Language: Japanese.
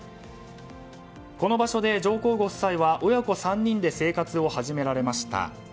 この場所で上皇ご夫妻は親子３人で生活を始められました。